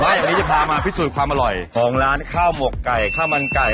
วันนี้จะพามาพิสูจน์ความอร่อยของร้านข้าวหมกไก่ข้าวมันไก่